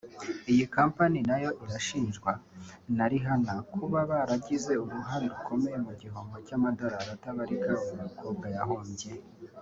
Iyi kompanyi nayo irashinjwa na Rihanna kuba baragize uruhare rukomeye mu gihombo cy’amadorali atabarika uyu mukobwa yahombye